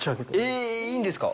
え、いいんですか？